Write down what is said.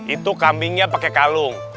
itu kambingnya pakai kalung